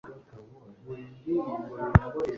Wakangaye amahanga urimbura abatakuyoboka